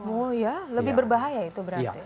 oh ya lebih berbahaya itu berarti